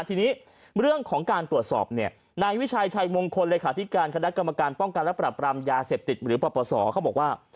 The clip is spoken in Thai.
ทีนี้เรื่องของการตรวจสอบเนี่ยในวิชัยชัยมงคลวิธิการของคันดักกรรมการป้องกันและปรับปรำยาสะติดหรือประปสอเขาบอกว่า